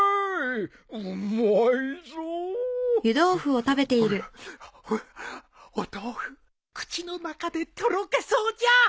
うまいぞ。お豆腐口の中でとろけそうじゃ！